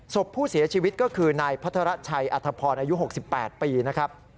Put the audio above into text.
ศพผู้เสียชีวิตก็คือนายพัทรชัยอัธพรอายุ๖๘ปีนะครับ